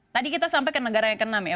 tadi kita sampai ke negaranya ke enam ya